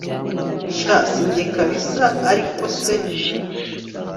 sha njye sinzi kabsa ariko se